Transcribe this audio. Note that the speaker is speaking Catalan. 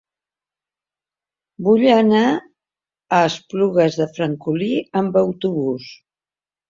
Vull anar a l'Espluga de Francolí amb autobús.